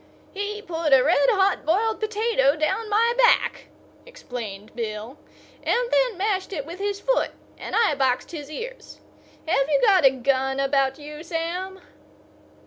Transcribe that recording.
"He put a red hot boiled potato down my back," explained Bill, "and then mashed it with his foot; and I boxed his ears. Have you got a gun about you, Sam?"